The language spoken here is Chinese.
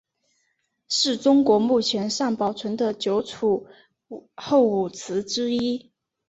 是中国目前尚保存的九处武侯祠之一。